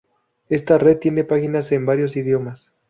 Esta red tiene páginas en varios idiomas.